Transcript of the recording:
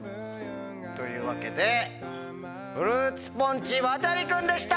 というわけでフルーツポンチ・亘君でした！